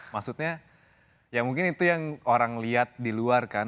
maksudnya ya mungkin itu yang orang lihat di luar kan